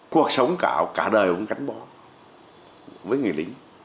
cuộc sống cả đời cũng gắn bó với người lính